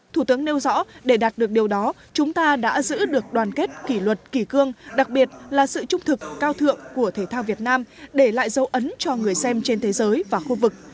thủ tướng nêu rõ để đạt được điều đó chúng ta đã giữ được đoàn kết kỷ luật kỷ cương đặc biệt là sự trung thực cao thượng của thể thao việt nam để lại dấu ấn cho người xem trên thế giới và khu vực